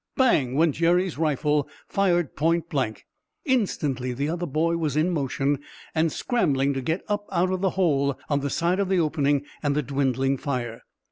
Bang! went Jerry's rifle, fired point blank. Instantly the other boy was in motion, and scrambling to get up out of the hole on the side of the opening and the dwindling fire.